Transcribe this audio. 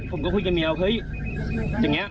ผมก็คุยกับเมียว่าเฮ้ยอย่างนี้